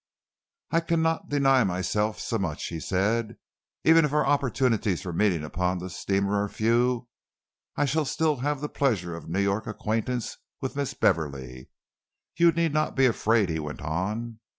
"I cannot deny myself so much," he said. "Even if our opportunities for meeting upon the steamer are few, I shall still have the pleasure of a New York acquaintance with Miss Beverley. You need not be afraid," he went on.